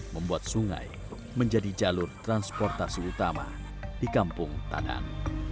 membuat sungai menjadi jalur transportasi utama di kampung tadan